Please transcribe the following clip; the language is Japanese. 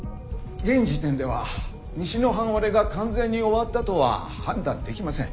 現時点では西の半割れが完全に終わったとは判断できません。